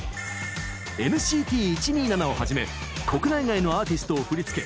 ＮＣＴ１２７をはじめ国内外のアーティストを振り付け